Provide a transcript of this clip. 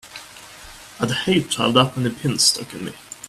I'd hate to have that many pins stuck in me!